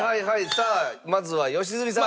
さあまずは良純さん。